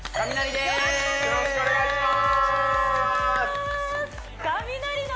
でーすよろしくお願いします